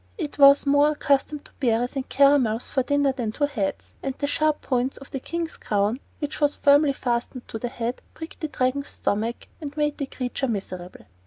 It was more accustomed to berries and caramels for dinner than to heads, and the sharp points of the King's crown (which was firmly fastened to the head) pricked the Dragon's stomach and made the creature miserable.